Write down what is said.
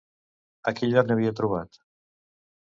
A quin lloc n'havia trobat?